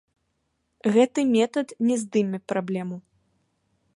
Гэты метад не здыме праблему.